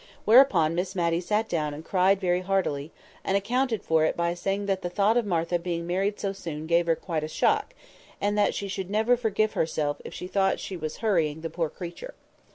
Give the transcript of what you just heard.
Whereupon Miss Matty sat down and cried very heartily, and accounted for it by saying that the thought of Martha being married so soon gave her quite a shock, and that she should never forgive herself if she thought she was hurrying the poor creature.